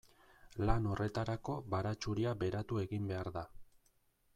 Lan horretarako baratxuria beratu egin behar da.